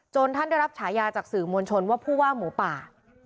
ท่านได้รับฉายาจากสื่อมวลชนว่าผู้ว่าหมูป่า